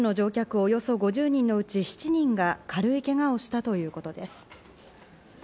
およそ５０人のうち７人が軽いけがをしたということです。